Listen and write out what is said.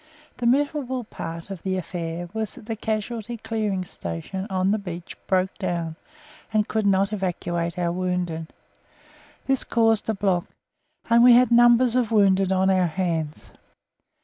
The miserable part of the affair was that the Casualty Clearing Station on the beach broke down and could not evacuate our wounded. This caused a block, and we had numbers of wounded on our hands.